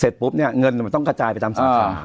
ปุ๊บเนี่ยเงินมันต้องกระจายไปตามสาขา